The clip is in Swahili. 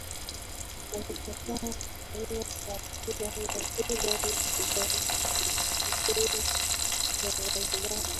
Alikataa kutumika kwa akiba ya fedha za kigeni za Zanzibar